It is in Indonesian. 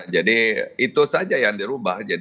jadi itu saja yang dirubah